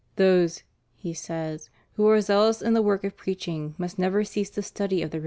"Those," he says, " who are zealous in the work of preaching must never cease the study of the written Word of God."''